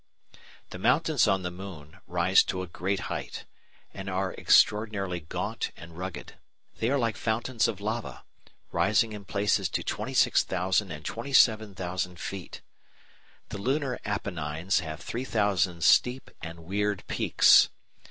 The mountains on the moon (Fig. 16) rise to a great height, and are extraordinarily gaunt and rugged. They are like fountains of lava, rising in places to 26,000 and 27,000 feet. The lunar Apennines have three thousand steep and weird peaks.